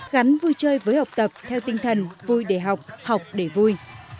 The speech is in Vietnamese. gắn vui chơi với học tập theo tinh thần vui để học học để vui